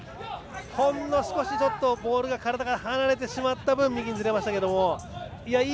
ほんの少しちょっとボールが体から離れてしまった分右にずれましたけども。